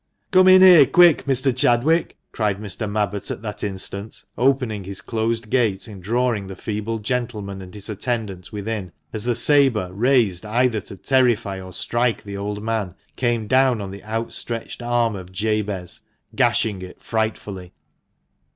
"Come in here, quick, Mr. Chadwick!" cried Mr. Mabbott at that instant, opening his closed gate and drawing the feeble gentleman and his attendant within, as the sabre, raised either to terrify or strike the old man, came down on the outstretched arm of Jabez, gashing it frightfully.